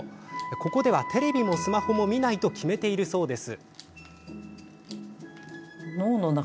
ここではテレビもスマホも見ないと決めているそうです。